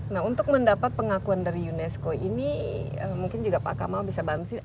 nah untuk mendapat pengakuan dari unesco ini mungkin juga pak kamal bisa bantu